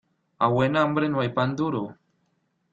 A buen hambre no hay pan duro.